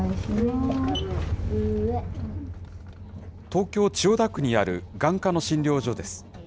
東京・千代田区にある眼科の診療所です。